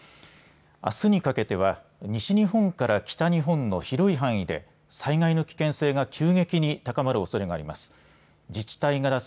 あすにかけては西日本から北日本の広い範囲で災害の危険性が急激に高まるおそれがあります。